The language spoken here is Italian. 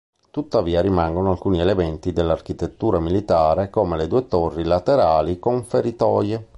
Tuttavia rimangono alcuni elementi dell'architettura militare come le due torri laterali con feritoie.